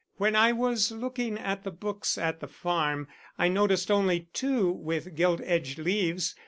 When I was looking at the books at the farm I noticed only two with gilt edged leaves.